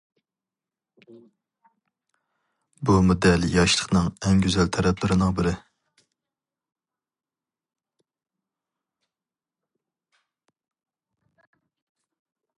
بۇمۇ دەل ياشلىقنىڭ ئەڭ گۈزەل تەرەپلىرىنىڭ بىرى.